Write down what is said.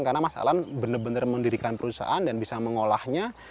karena mas alan benar benar mendirikan perusahaan dan bisa mengolahnya